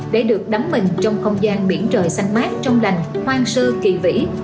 để được đắm mình trong không gian biển trời xanh mát trong lành hoang sơ kỳ vĩ